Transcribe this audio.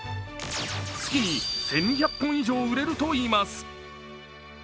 月に１２００本以上売れるといいます。